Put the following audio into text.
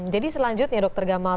jadi selanjutnya dokter gamal